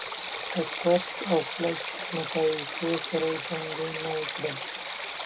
د ترک او خلج له طایفو سره جنګونه وکړل.